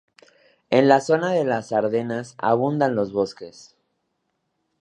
En la zona de las Ardenas abundan los bosques.